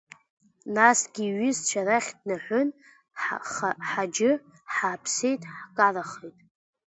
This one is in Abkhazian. Насгьы иҩызцәа рахь днаҳәын Ҳаџьы, ҳааԥсеит, ҳкарахеит.